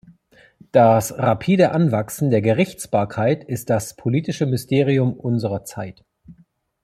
Das rapide Anwachsen der Gerichtsbarkeit ist das politische Mysterium unserer Zeit.